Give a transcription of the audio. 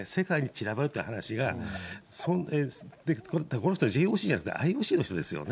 世界に散らばるという話が、この人はＪＯＣじゃなくて、ＩＯＣの人ですよね。